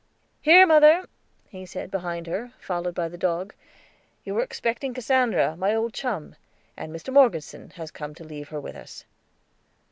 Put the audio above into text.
"Here, mother," he said behind her, followed by the dog. "You were expecting Cassandra, my old chum; and Mr. Morgeson has come to leave her with us."